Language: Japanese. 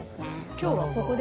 今日はここで？